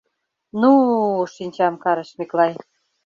— Ну-у! — шинчам карыш Миклай.